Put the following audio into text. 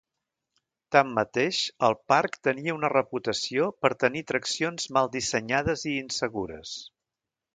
Tanmateix, el parc tenia una reputació per tenir atraccions mal dissenyades i insegures.